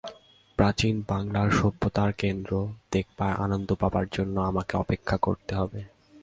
প্রাচীন বাঙলার সভ্যতার কেন্দ্র দেখবার আনন্দ পাবার জন্য আমাকে অপেক্ষা করতে হবে।